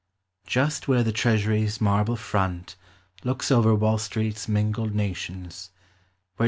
Just where the Treasury's marble front Looks over Wall Street's mingled nations; Where